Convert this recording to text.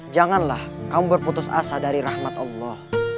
janganlah kamu berputus asa dari rahmat allah